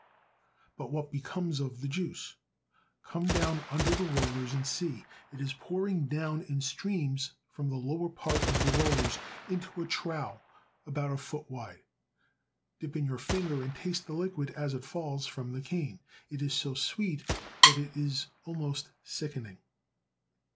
But what becomes of the juice? Come down under the rollers and see. It is pouring down in streams from the lower part of the rollers into a trough about a foot wide. Dip in your finger and taste the liquid as it falls from the cane. It is so sweet that it is almost sickening.